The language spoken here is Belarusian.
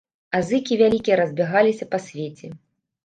А зыкі вялікія разбягаліся па свеце.